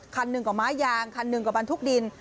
คันหนึ่งกับไม้ยางคันหนึ่งก็บรรทุกดิน